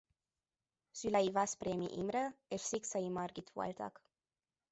Szülei Veszprémi Imre és Szikszai Margit voltak.